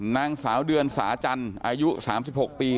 นางสาวเดือนสาจันทร์อายุ๓๖ปี